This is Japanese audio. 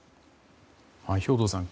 兵頭さん